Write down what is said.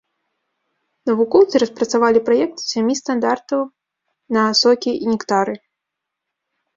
Навукоўцы распрацавалі праект сямі стандартаў на сокі і нектары.